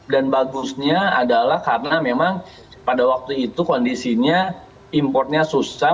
dan bagusnya adalah karena memang pada waktu itu kondisinya impornya susah